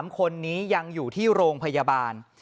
๓คนนี้ยังอยู่ที่โรงพยาบาล